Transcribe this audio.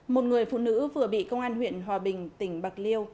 một người phụ nữ vừa bị công an huyện hòa bình tỉnh bạc liêu